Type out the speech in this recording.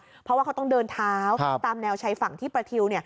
เพราะว่าเขาต้องเดินเท้าตามแนวชายฝั่งที่ประทิว